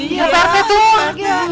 iya prt tuh